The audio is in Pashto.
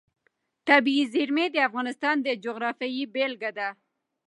طبیعي زیرمې د افغانستان د جغرافیې بېلګه ده.